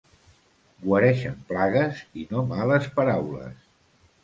Guareixen plagues i no males paraules.